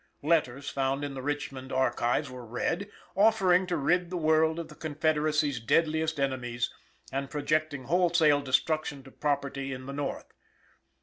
Letters found in the Richmond Archives were read, offering to rid the world of the Confederacy's deadliest enemies, and projecting wholesale destruction to property in the North.